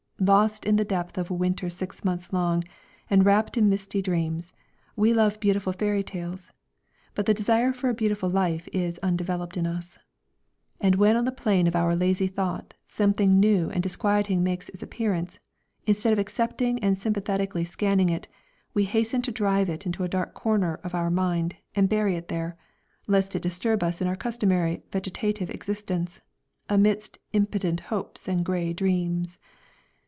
Lost in the depth of a winter six months long, and wrapt in misty dreams, we love beautiful fairy tales, but the desire for a beautiful life is undeveloped in us. And when on the plane of our lazy thought something new and disquieting makes its appearance, instead of accepting and sympathetically scanning it, we hasten to drive it into a dark corner of our mind and bury it there, lest it disturb us in our customary vegetative existence, amidst impotent hopes and grey dreams.